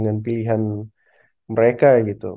dengan pilihan mereka gitu